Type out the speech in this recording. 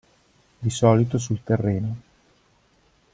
Di solito sul terreno.